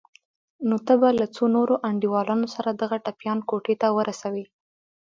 نو ته به له څو نورو انډيوالانو سره دغه ټپيان کوټې ته ورسوې.